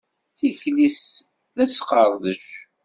Tikli-s d asqeṛdec.